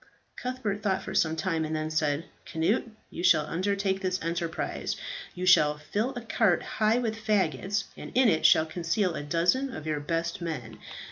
Cuthbert thought for some time, and then said, "Cnut, you shall undertake this enterprise. You shall fill a cart high with faggots, and in it shall conceal a dozen of your best men.